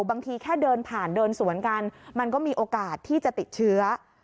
บางทีแค่เดินผ่านเดินสวนกันมันก็มีโอกาสที่จะติดเชื้อ